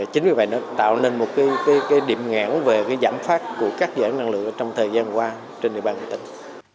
chính vì vậy nó tạo nên một điểm ngãn về giảm phát của các dãn năng lượng trong thời gian qua trên địa bàn hội tỉnh